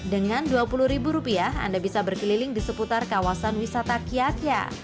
dengan rp dua puluh anda bisa berkeliling di seputar kawasan wisata kiatia